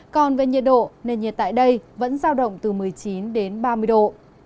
còn về nhiệt độ nền nhiệt tại đây vẫn giao động từ một mươi chín đến ba mươi độ